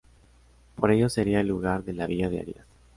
Por ello sería el lugar de la villa de Arias.